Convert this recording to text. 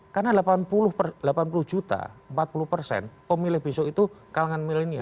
karena delapan puluh juta empat puluh persen pemilih bisu itu kalangan milenial